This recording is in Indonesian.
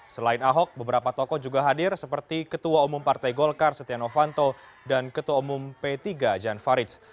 selain ahok beberapa tokoh juga hadir seperti ketua umum partai golkar setia novanto dan ketua umum p tiga jan faridz